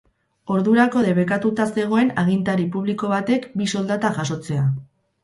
Ordurako debekatuta zegoen agintari publiko batek bi soldata jasotzea.